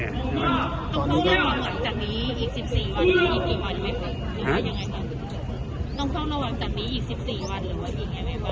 ต้องเฝ้าระวังจากนี้อีก๑๔วันหรืออีกกี่วันยังไง